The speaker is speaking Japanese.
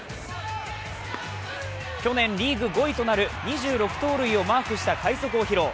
去年、リーグ５位となる２６盗塁をマークした快足を披露。